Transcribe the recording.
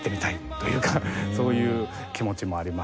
というかそういう気持ちもありまして。